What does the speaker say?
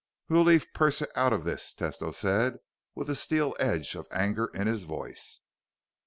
"We'll leave Persia out of this," Tesno said with a steel edge of anger in his voice.